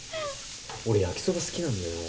俺焼きそば好きなんだよね。